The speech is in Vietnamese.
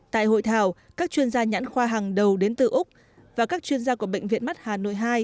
tại hội thảo các chuyên gia nhãn khoa hàng đầu đến từ úc và các chuyên gia của bệnh viện mắt hà nội hai